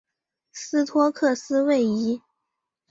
斯托克斯位移。